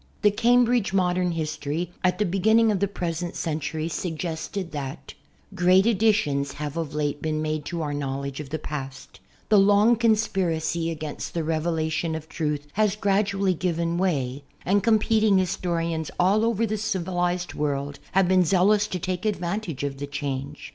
The "Cambridge Modern History" at the beginning of the present century suggested that Great additions have of late been made to our knowledge of the past; tlw long conspiracy against the rezfclation of truth has gradually given 7i\]y, and competing historians all over the civil ized world have been zealous to take advantage of the change.